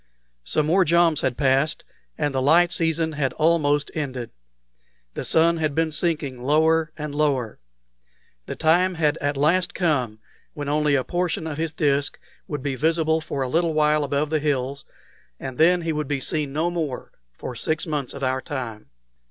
Some more joms had passed, and the light season had almost ended. The sun had been sinking lower and lower. The time had at last come when only a portion of his disk would be visible for a little while above the hills, and then he would be seen no more for six months of our time.